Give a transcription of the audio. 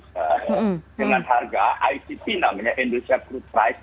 dengan harga icp namanya indonesia crude price